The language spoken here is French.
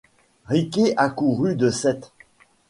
Riquet accourut de Sète.